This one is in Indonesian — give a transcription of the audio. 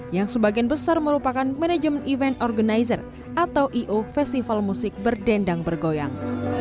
yang sebagian besar merupakan manajemen event organizer atau i o festival musik berdendang bergoyang